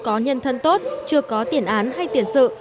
có nhân thân tốt chưa có tiền án hay tiền sự